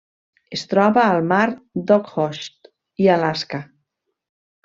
Es troba al mar d'Okhotsk i Alaska.